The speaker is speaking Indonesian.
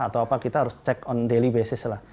atau apa kita harus cek on daily basis lah